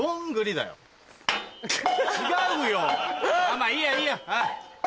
まぁいいやいいや。